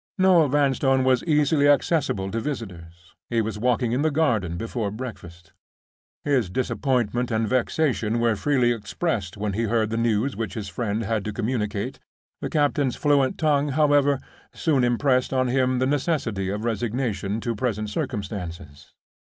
Noel Vanstone was easily accessible to visitors; he was walking in the garden before breakfast. His disappointment and vexation were freely expressed when he heard the news which his friend had to communicate. The captain's fluent tongue, however, soon impressed on him the necessity of resignation to present circumstances.